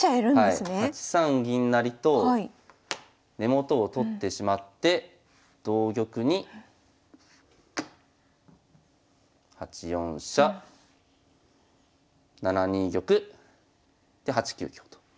８三銀成と根元を取ってしまって同玉に８四飛車７二玉で８九香と。